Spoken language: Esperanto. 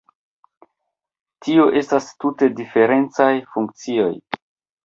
Tio estas tute diferencaj funkcioj.